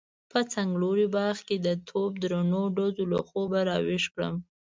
په څنګلوري باغ کې د توپ درنو ډزو له خوبه راويښ کړم.